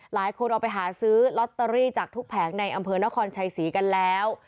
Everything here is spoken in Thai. หลายคนเอาไปหาซื้อลอตเตอรี่จากทุกแผงในอำเภอนครชัยศรีกันแล้ว